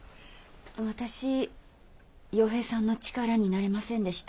私陽平さんの力になれませんでした。